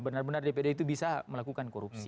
benar benar dpd itu bisa melakukan korupsi